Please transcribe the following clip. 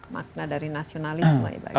makna dari nasionalisme